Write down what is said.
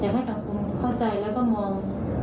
แต่ถ้าสามคนเข้าใจแล้วก็มอง